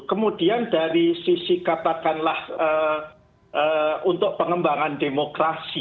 kemudian dari sisi katakanlah untuk pengembangan demokrasi